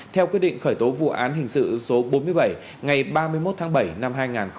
theo quyết định khởi tố vụ án hình sự số bốn mươi bảy ngày ba mươi một tháng bảy năm hai nghìn một mươi bảy